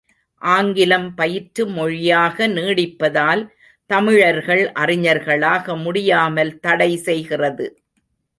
ஆங்கிலம் பயிற்று மொழியாக நீடிப்பதால் தமிழர்கள் அறிஞர்களாக முடியாமல் தடை செய்கிறது.